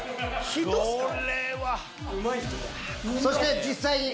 そして実際に。